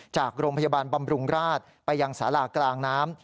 จากโรงพยาบาลบำรุงราชไปยังสารากลางน้ำ